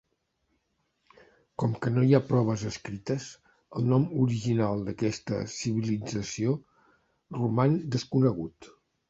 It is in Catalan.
Com que no hi ha proves escrites, el nom original d'aquesta civilització roman desconegut.